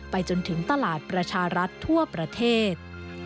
จนถึงตลาดประชารัฐทั่วประเทศ